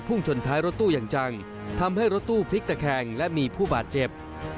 ชนท้ายรถตู้อย่างจังทำให้รถตู้พลิกตะแคงและมีผู้บาดเจ็บ